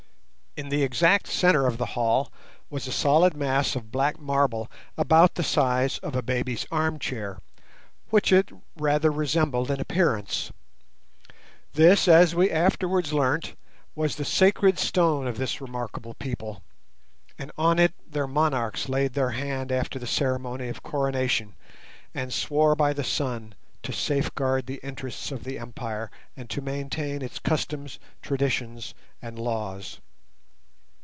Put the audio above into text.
In the exact centre of the hall was a solid mass of black marble about the size of a baby's arm chair, which it rather resembled in appearance. This, as we afterwards learnt, was the sacred stone of this remarkable people, and on it their monarchs laid their hand after the ceremony of coronation, and swore by the sun to safeguard the interests of the empire, and to maintain its customs, traditions, and laws.